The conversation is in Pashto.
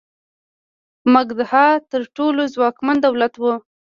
مګدها تر ټولو ځواکمن دولت و.